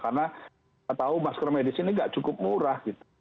karena saya tahu masker medis ini tidak cukup murah gitu